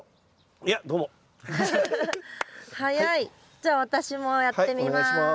じゃあ私もやってみます。